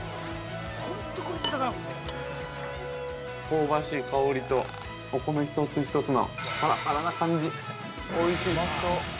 ◆香ばしい香りとお米一つ一つのパラパラな感じおいしいです。